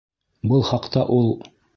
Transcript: Был хаҡта ул: